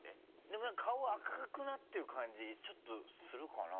でもなんか顔赤くなってる感じちょっとするかな？